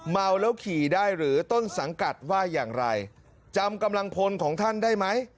เมาแล้วขี่ได้หรือต้นสังกัดว่าอย่างไรจำกำลังพลของท่านได้ไหม